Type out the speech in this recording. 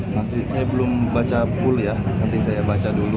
masih saya belum baca pool ya nanti saya baca dulu